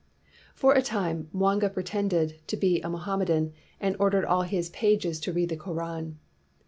" For a time Mwanga pretended to be a Mohammedan, and ordered all his pages to read the Koran.